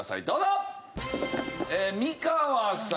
美川さん。